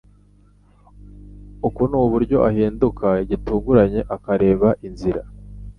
Uku nuburyo ahinduka gitunguranye akareba inzira